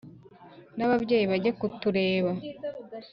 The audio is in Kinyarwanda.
nababyeyi bajye ku tureba